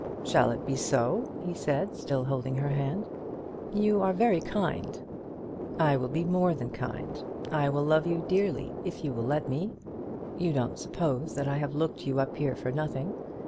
"Shall it be so?" he said, still holding her hand. "You are very kind." "I will be more than kind; I will love you dearly if you will let me. You don't suppose that I have looked you up here for nothing.